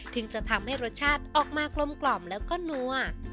ถึงจะทำให้รสชาติออกมากลมแล้วก็นัว